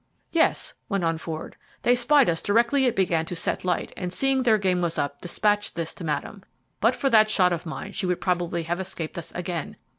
"Yes," went on Ford, "they spied us directly it began to get light, and seeing their game was up, dispatched this to Madame. But for that shot of mine she would probably have escaped us again.